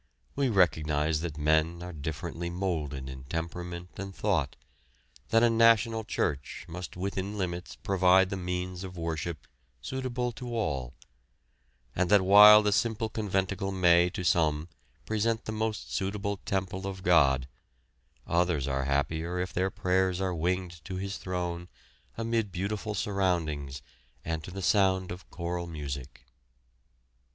We recognise that men are differently moulded in temperament and thought, that a national church must within limits provide the means of worship suitable to all; and that while the simple conventicle may to some present the most suitable temple of God, others are happier if their prayers are winged to His Throne amid beautiful surroundings and to the sound of choral music.